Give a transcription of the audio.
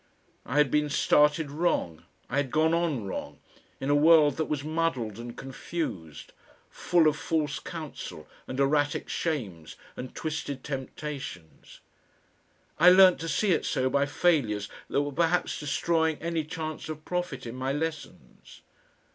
I had been started wrong, I had gone on wrong, in a world that was muddled and confused, full of false counsel and erratic shames and twisted temptations. I learnt to see it so by failures that were perhaps destroying any chance of profit in my lessons.